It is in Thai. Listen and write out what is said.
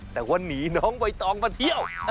แต่ว่าหนีน้องใบตองมาเที่ยว